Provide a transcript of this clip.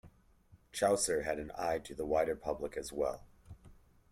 Chaucer had an eye to the wider public as well.